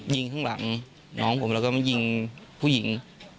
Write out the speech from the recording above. ยิงข้างหลังน้องผมแล้วก็มายิงผู้หญิง